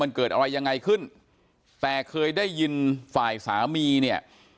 มันเกิดอะไรยังไงขึ้นแต่เคยได้ยินฝ่ายสามีเนี่ย